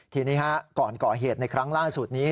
ทีนี้ก่อนก่อเหตุในครั้งล่าสุดนี้